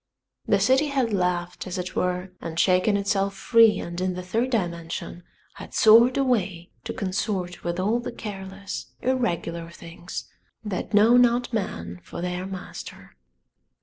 The city had laughed as it were and shaken itself free and in the third dimension had soared away to consort with all the careless, irregular things that know not man for their master.